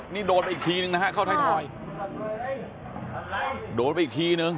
นี่โดนไปอีกทีนึงนะฮะเข้าไทยทอยโดนไปอีกทีนึง